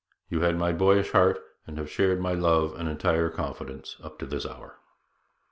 You had my boyish heart, and have shared my love and entire confidence up to this hour.'